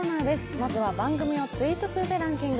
まずは番組をツイート数でランキング。